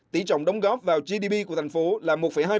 tỷ trọng đóng góp vào gdp của thành phố là một hai